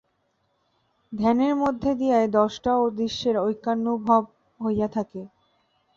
ধ্যানের মধ্য দিয়াই দ্রষ্টা ও দৃশ্যের ঐক্যানুভব হইয়া থাকে।